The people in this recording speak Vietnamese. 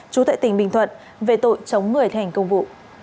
chú tệ tỉnh bình thuận về tội chống người thể hành công vụ